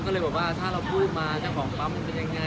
ก็เลยบอกว่าถ้าเราพูดมาเจ้าของปั๊มมันเป็นยังไง